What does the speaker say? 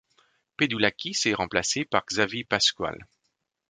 Pedoulakis est remplacé par Xavi Pascual.